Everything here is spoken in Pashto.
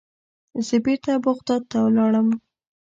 زه بیرته بغداد ته لاړم.